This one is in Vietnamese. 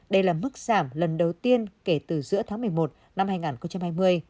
đây là mức giảm lần đầu tiên kể từ giữa tháng một mươi một năm hai nghìn hai mươi